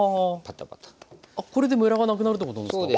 あっこれでムラがなくなるってことなんですか？